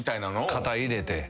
肩入れて。